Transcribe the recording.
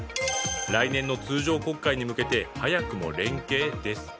来年の通常国会に向けて早くも連携？です。